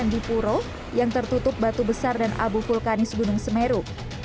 di puro yang tertutup batu besar dan abu vulkanis gunung semeru